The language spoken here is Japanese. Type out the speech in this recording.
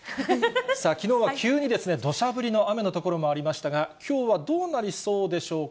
さあ、きのうは急にどしゃ降りの雨の所もありましたが、きょうはどうなりそうでしょうか。